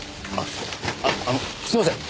あああのすいません。